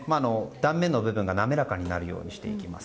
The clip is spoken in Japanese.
断面の部分が滑らかになるようにしていきます。